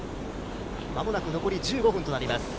間もなく残り１５分となります。